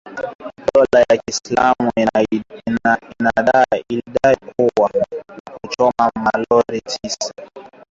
Dola ya kiislamu ilidai kuwa wanachama wake waliwauwa takribani wakristo ishirini na kuchoma malori sita.